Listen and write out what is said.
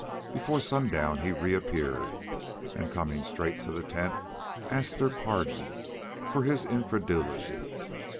Before sundown he reappeared, and, coming straight to the tent, asked their pardon for his incredulity.